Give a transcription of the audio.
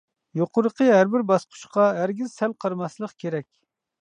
يۇقىرىقى ھەربىر باسقۇچقا ھەرگىز سەل قارىماسلىق كېرەك.